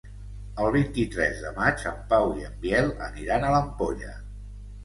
El vint-i-tres de maig en Pau i en Biel aniran a l'Ampolla.